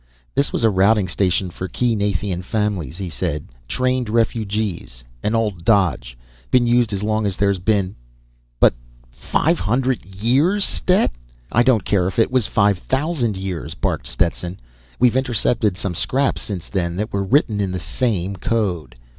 "This was a routing station for key Nathian families," he said. "Trained refugees. An old dodge ... been used as long as there've been " "But five hundred years, Stet!" "I don't care if it was five thousand years!" barked Stetson. "We've intercepted some scraps since then that were written in the same code.